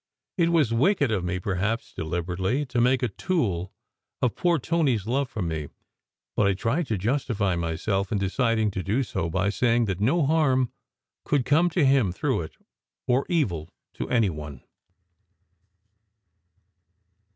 It was wicked of me, perhaps, deliberately to make a tool of poor Tony s love for me, but I tried to justify myself in deciding to do so by saying that no harm could come to him through it, or evil to any one.